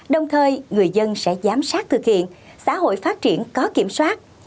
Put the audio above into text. đồng thời người dân sẽ giám sát thực hiện xã hội phát triển có kiểm soát